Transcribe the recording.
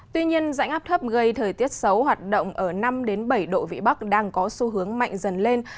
tuy nhiên rãnh áp thấp gây thời tiết xấu hoạt động ở năm bảy độ vị bắc đang có xu hướng mạnh dần lên